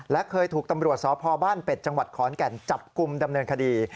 และเคยถูกตำรวจสพบ้านเป็ดจังหวัดขอนแก่นจับกลุ่มดำเนินคดี